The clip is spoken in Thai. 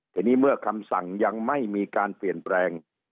ทีนี้เมื่อคำสั่งยังไม่มีการเปลี่ยนแปลง